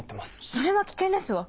それは危険ですわ！